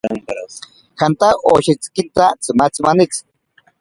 Janta otsishikinta tsimatzi manitsi.